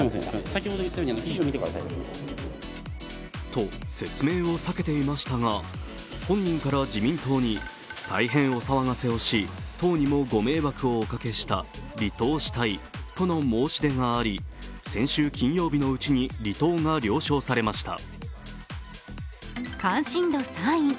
と説明を避けていましたが本人から自民党に大変お騒がせをし、党にもご迷惑をおかけした、離党したいとの申し出があり、先週金曜日のうちに離党が了承されました。